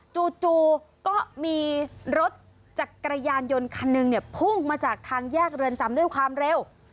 จู่ก็มีรถจักรยานยนต์คันหนึ่งเนี่ยพุ่งมาจากทางแยกเรือนจำด้วยความเร็ว